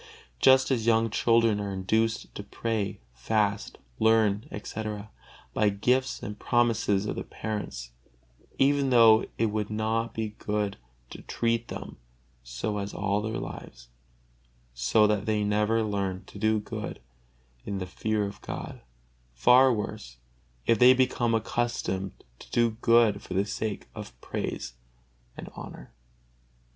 Just as young children are induced to pray, fast, learn, etc., by gifts and promises of the parents, even though it would not be good to treat them so all their lives, so that they never learn to do good in the fear of God: far worse, if they become accustomed to do good for the sake of praise and honor.